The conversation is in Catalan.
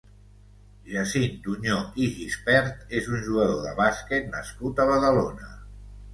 Jacint Duñó i Gispert és un jugador de bàsquet nascut a Badalona.